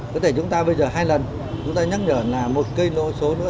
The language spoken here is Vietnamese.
có thể chúng ta bây giờ hai lần chúng ta nhắc nhở là một cây lô số nữa